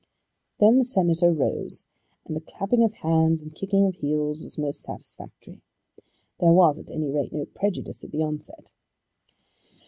Then the Senator rose, and the clapping of hands and kicking of heels was most satisfactory. There was at any rate no prejudice at the onset.